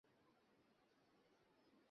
মান অপমানের কথা ভাবিও না!